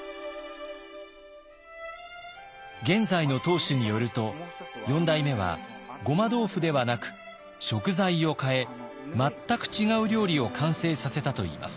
現在の当主によると４代目はごま豆腐ではなく食材を変え全く違う料理を完成させたといいます。